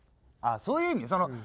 あっそういう意味ね。